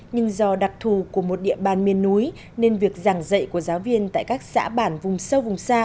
nhưng do đặc thù của một địa bàn miền núi nên việc giảng dạy của giáo viên tại các xã bản vùng sâu vùng xa